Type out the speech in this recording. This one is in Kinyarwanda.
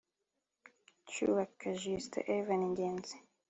Cubaka Justin Yvan Ngenzi